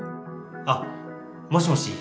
あもしもし。